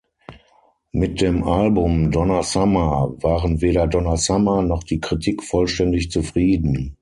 Mit dem Album "Donna Summer" waren weder Donna Summer noch die Kritik vollständig zufrieden.